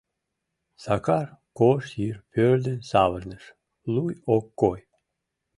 Сакар кож йыр пӧрдын савырныш, луй ок кой.